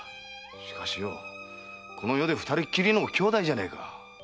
しかしよこの世で二人きりの兄妹じゃねえか。